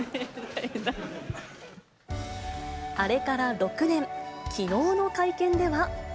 あれから６年、きのうの会見では。